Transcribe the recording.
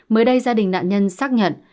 mới đây gia đình nạn nhân xác nhận